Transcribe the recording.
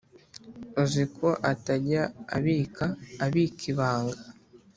uziko atajya abika abika ibanga